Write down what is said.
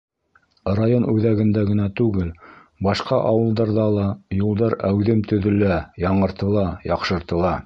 Район үҙәгендә генә түгел, башҡа ауылдарҙа ла юлдар әүҙем төҙөлә, яңыртыла, яҡшыртыла.